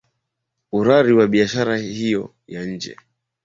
urari wa biashara hiyo ya nje